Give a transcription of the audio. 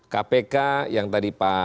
kpk yang tadi pak